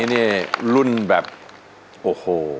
นี้เนี่ยรุ่นแบบโอ้โฮ